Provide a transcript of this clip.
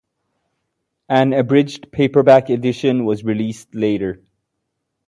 An abridged paperback edition was released later.